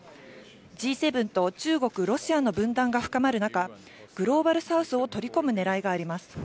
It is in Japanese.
Ｇ７と中国、ロシアの分断が深まる中、グローバルサウスを取り込むねらいがあります。